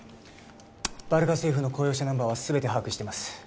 バルカ政府の公用車ナンバーは全て把握してます